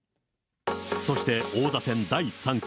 そして、王座戦第３局。